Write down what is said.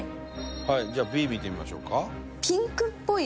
はいじゃあＢ見てみましょうか？